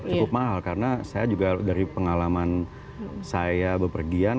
cukup mahal karena saya juga dari pengalaman saya bepergian